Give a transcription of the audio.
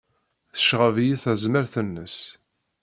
Tecɣeb-iyi tezmert-nnes.